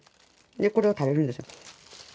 でこれを食べるんですよ。